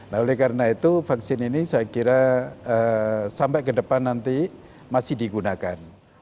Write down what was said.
nah oleh karena itu vaksin ini saya kira sampai ke depan nanti masih digunakan